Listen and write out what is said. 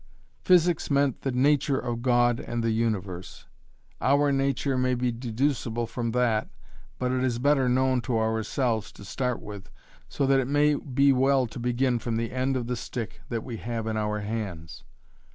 Physics meant the nature of God and the Universe. Our nature may be deducible from that but it is better known to ourselves to start with, so that it may be well to begin from the end of the stick that we have in our hands.